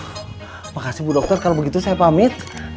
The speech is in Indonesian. terima kasih bu dokter kalau begitu saya pamit